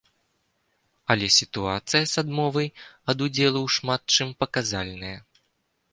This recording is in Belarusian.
Але сітуацыя з адмовай ад удзелу ў шмат чым паказальная.